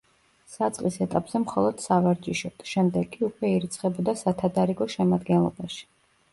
საწყის ეტაპზე მხოლოდ სავარჯიშოდ, შემდეგ კი უკვე ირიცხებოდა სათადარიგო შემადგენლობაში.